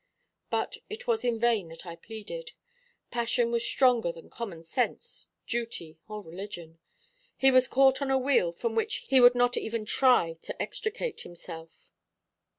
But it was in vain that I pleaded. Passion was stronger than common sense, duty, or religion. He was caught on a wheel from which he would not even try to extricate himself."